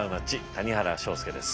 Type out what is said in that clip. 谷原章介です。